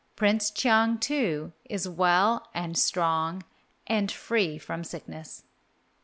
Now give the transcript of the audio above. Prince Cheung, too, is well and strong and free from sickness.